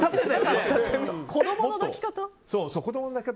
子供の抱き方。